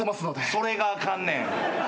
それがあかんねん。